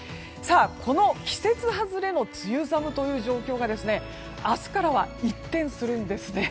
この季節外れの梅雨寒という状況が明日からは一転するんですね。